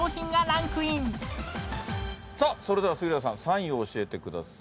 それでは杉浦さん３位を教えてください。